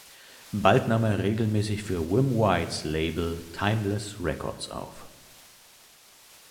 Bald nahm er regelmäßig für Wim Wigts Label Timeless Records auf.